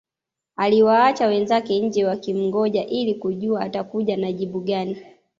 Aliwaacha wenzake nje wakimngoja ili kujua atakuja na jibu gani